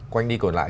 quanh đi còn lại